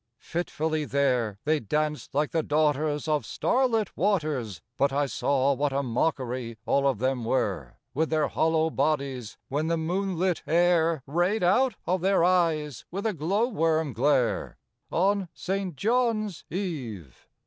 Fitfully there They danced like the daughters of starlit waters, But I saw what a mockery all of them were, With their hollow bodies, when the moonlit air Rayed out of their eyes with a glow worm glare, On St. John's Eve.